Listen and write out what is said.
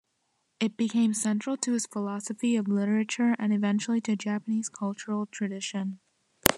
It became central to his philosophy of literature and eventually to Japanese cultural tradition.